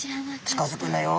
「近づくなよ。